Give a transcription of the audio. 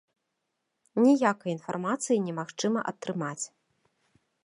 Ніякай інфармацыі немагчыма атрымаць.